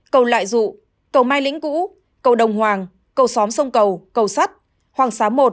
cầu lại dụ cầu mai lĩnh cũ cầu đồng hoàng cầu xóm sông cầu cầu sắt hoàng xá một